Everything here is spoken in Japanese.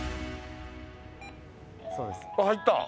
あっ、入った。